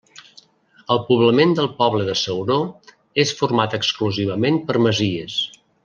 El poblament del poble de Ceuró és format exclusivament per masies.